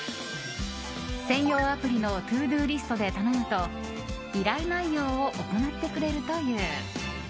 専用アプリのＴｏＤｏリストで頼むと依頼内容を行ってくれるという。